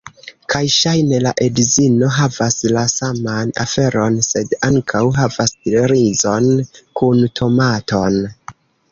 Kaj ŝajne la edzino havas la saman aferon, sed ankaŭ havas rizon kun tomaton.